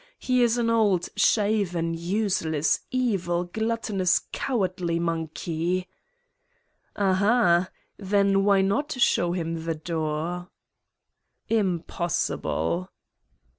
He is an old, shaven, useless, evil, gluttonous, cowardly monkey!" "Ah, ah! Then why not show him the door?" "Impossible."